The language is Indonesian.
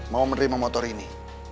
mau menerima motor ini